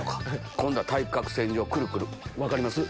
今度は対角線上クルクル分かります？